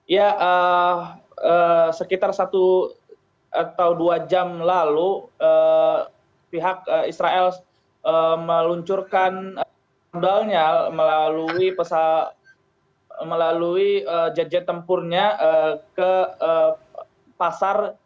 ya sekitar satu atau dua jam lalu pihak israel meluncurkan modalnya melalui jet jet tempurnya ke pasar